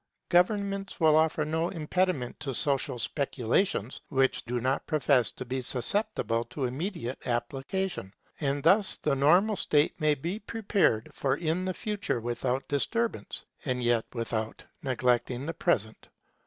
Governments will offer no impediment to social speculations which do not profess to be susceptible of immediate application; and thus the normal state may be prepared for in the future without disturbance, and yet without neglecting the present.